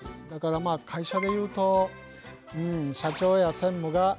だから会社でいうと社長や専務が。